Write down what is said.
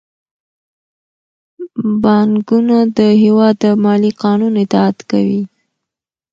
بانکونه د هیواد د مالي قانون اطاعت کوي.